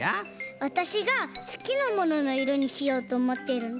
わたしがすきなもののいろにしようとおもってるんだ。